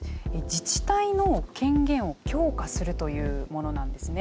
自治体の権限を強化するというものなんですね。